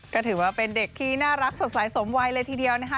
ก็ถือว่าเป็นเด็กที่น่ารักสดใสสมวัยเลยทีเดียวนะคะ